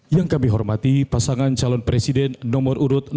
yang kami hormati pasangan calon presiden nomor satu bapak insinyur haji jokowi